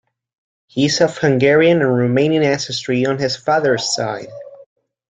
He is of Hungarian and Romanian ancestry on his father's side.